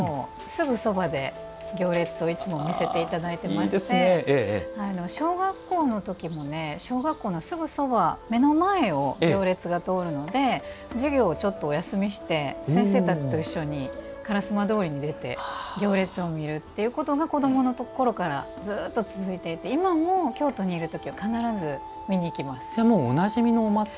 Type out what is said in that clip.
すぐそばで行列をいつも見せていただいていまして小学校の時も小学校のすぐそば、目の前を行列が通るので授業をちょっとお休みして先生たちと一緒に烏丸通に出て行列を見るというのが子どものころからずっと続いていて今も、京都にいる時は必ず見に行きます。